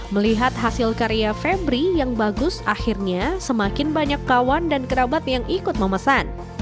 melihat hasil karya febri yang bagus akhirnya semakin banyak kawan dan kerabat yang ikut memesan